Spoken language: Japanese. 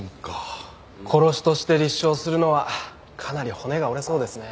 殺しとして立証するのはかなり骨が折れそうですね。